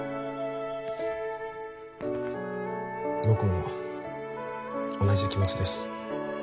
僕も同じ気持ちです